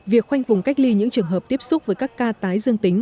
việc khoanh vùng cách ly những trường hợp tiếp xúc với các ca tái dương tính